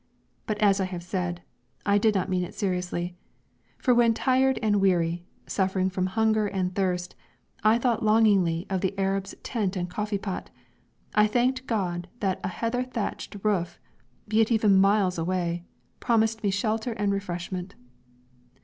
But as I have said, I did not mean it seriously. For when tired and weary, suffering from hunger and thirst, I thought longingly of the Arab's tent and coffee pot, I thanked God that a heather thatched roof be it even miles away promised me shelter and refreshment.